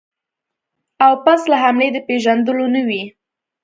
او پس له حملې د پېژندلو نه وي.